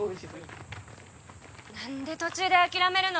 何で途中で諦めるの？